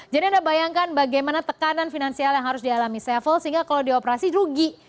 jadi anda bayangkan bagaimana tekanan finansial yang harus dialami several sehingga kalau dioperasi rugi